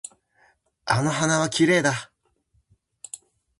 あの花はきれいだ。